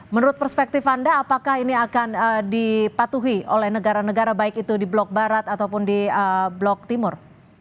menurut perspektif anda apakah ini akan dipatuhi oleh negara negara baik itu di blok barat ataupun di blok timur